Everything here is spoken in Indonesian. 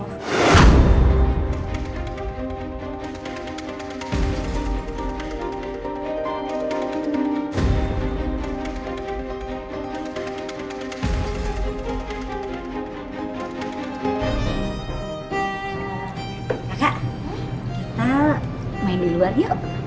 kakek kita main di luar yuk